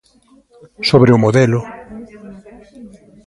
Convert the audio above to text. Sobre o modelo.